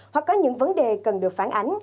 hoặc có những vấn đề cần được phản ánh